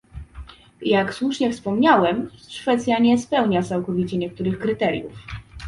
Jak słusznie wspomniałem, Szwecja nie spełnia całkowicie niektórych kryteriów